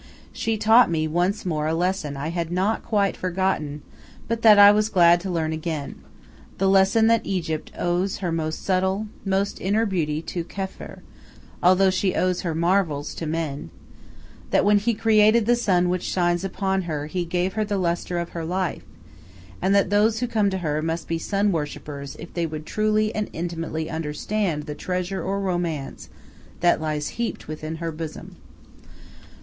She taught me once more a lesson I had not quite forgotten, but that I was glad to learn again the lesson that Egypt owes her most subtle, most inner beauty to Kheper, although she owes her marvels to men; that when he created the sun which shines upon her, he gave her the lustre of her life, and that those who come to her must be sun worshippers if they would truly and intimately understand the treasure or romance that lies heaped within her bosom.